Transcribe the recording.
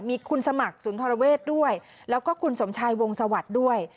มีคุณสมัครสุนธรเวทย์ด้วยแล้วก็คุณสมชายวงศวรรษด้วย